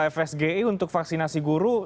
fsgi untuk vaksinasi guru